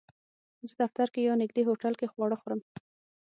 زه دفتر کې یا نږدې هوټل کې خواړه خورم